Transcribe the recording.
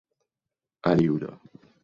aliulo